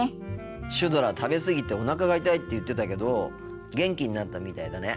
シュドラ食べ過ぎておなかが痛いって言ってたけど元気になったみたいだね。